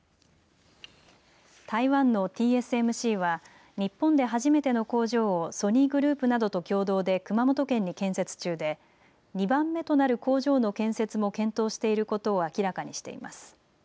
台湾のＴＳＭＣは日本で初めての工場をソニーグループなどと共同で熊本県に建設中で２番目となる工場の建設も検討していることを明らかにしています。